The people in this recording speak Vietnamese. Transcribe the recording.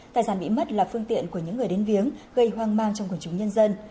tài sản bị mất là phương tiện của những người đến viếng gây hoang mang trong quần chúng nhân dân